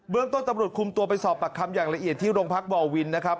เรื่องต้นตำรวจคุมตัวไปสอบปากคำอย่างละเอียดที่โรงพักบ่อวินนะครับ